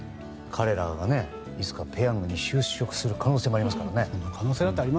彼らがいつかペヤングに就職する可能性もありますからね。